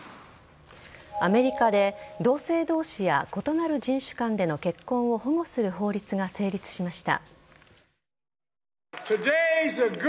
アメリカで同性同士や異なる人種間での結婚を保護する法律が成立しました。